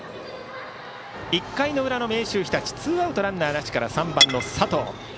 １回の裏の明秀日立ツーアウトランナーなしから３番、佐藤。